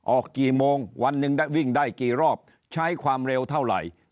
กี่โมงวันหนึ่งได้วิ่งได้กี่รอบใช้ความเร็วเท่าไหร่